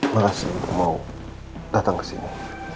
makasih mau datang kesini